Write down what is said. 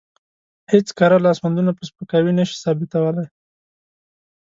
هېڅ کره لاسوندونه په سپکاوي نشي ثابتولی.